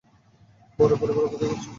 বরের পরিবার অপেক্ষা করছে।